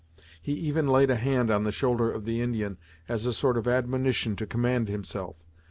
He even laid a hand on the shoulder of the Indian, as a sort of admonition to command himself.